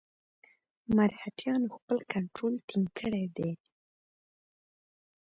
مرهټیانو خپل کنټرول ټینګ کړی دی.